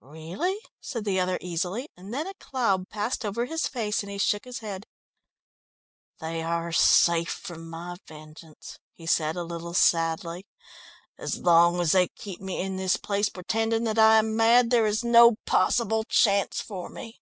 "Really?" said the other easily, and then a cloud passed over his face and he shook his head. "They are safe from my vengeance," he said a little sadly. "As long as they keep me in this place pretending that I am mad, there is no possible chance for me."